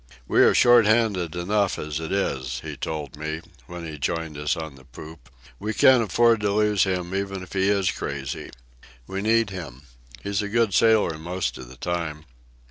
"We are short handed enough as it is," he told me, when he joined us on the poop. "We can't afford to lose him even if he is crazy. We need him. He's a good sailor most of the time."